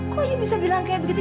kok ini bisa bilang kayak begitu